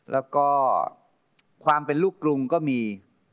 แล้วก็ความเป็นลูกกรุงก็มี